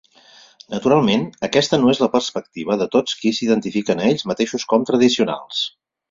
Naturalment, aquesta no és la perspectiva de tots qui s"identifiquen a ells mateixos com "tradicionals".